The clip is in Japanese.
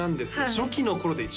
初期の頃？